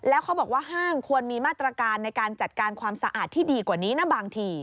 แล้วเขาบอกว่าห้างควรมีมาตรการในการจัดการความสะอาดที่ดีกว่านี้นะบางที